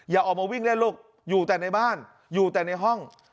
อย่าออกมาวิ่งเล่นลูกอยู่แต่ในบ้านอยู่แต่ในห้อง